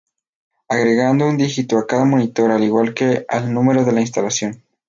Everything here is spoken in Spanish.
Agregando un dígito a cada monitor al igual que al número de la instalación.